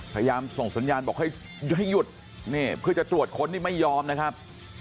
พยายามส่งสัญญาณบอกให้หยุดนี่เพื่อจะตรวจค้นนี่ไม่ยอมนะครับ